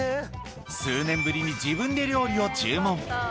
数年ぶりに自分で料理を注文。